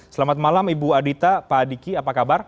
selamat malam ibu adhita pak adhiki apa kabar